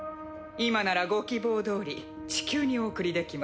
今ならご希望どおり地球にお送りできます。